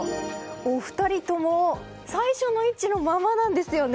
お二人とも最初の位置のままなんですよね。